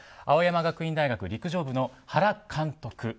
青山学院大学陸上部の原監督。